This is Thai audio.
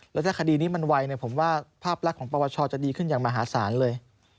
แล้วถ้าคดีนี้มันไวผมว่าภาพลักษณ์ของปวชจะดีขึ้นอย่างมหาศาลเลย